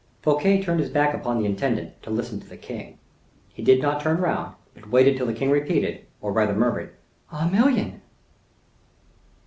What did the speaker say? Fouquet turned his back upon the intendant to listen to the king. He did not turn round, but waited till the king repeated, or rather murmured, "A million."